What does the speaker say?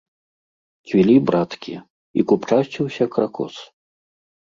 Цвілі браткі, і купчасціўся кракос.